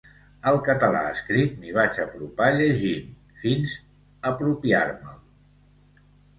Al català escrit m'hi vaig apropar llegint, fins apropiar-me'l.